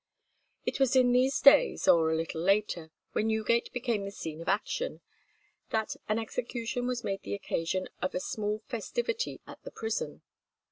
'" It was in these days, or a little later, when Newgate became the scene of action, that an execution was made the occasion of a small festivity at the prison.